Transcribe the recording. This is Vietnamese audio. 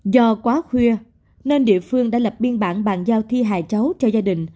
do quá khuya nên địa phương đã lập biên bản bàn giao thi hài cháu cho gia đình